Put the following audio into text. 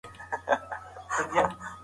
ماشوم ته وخت ورکړئ.